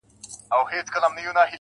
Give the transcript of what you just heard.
ته مي د ښكلي يار تصوير پر مخ گنډلی,